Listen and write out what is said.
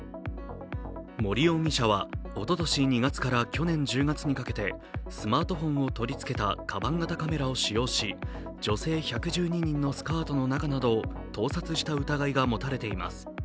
森容疑者はおととし２月から去年１０月にかけてスマートフォンを取り付けたかばん型カメラを使用し、女性１１２人のスカートの中などを盗撮した疑いが持たれています。